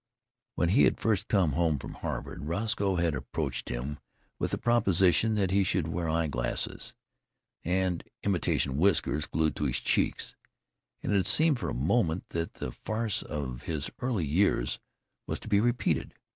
When he had first come home from Harvard, Roscoe had approached him with the proposition that he should wear eye glasses and imitation whiskers glued to his cheeks, and it had seemed for a moment that the farce of his early years was to be repeated.